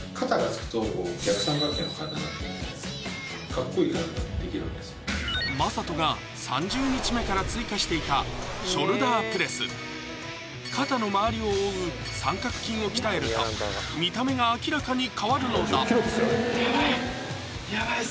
全然魔裟斗が３０日目から追加していたショルダー・プレス肩の周りを覆う三角筋を鍛えると見た目が明らかに変わるのだヤバい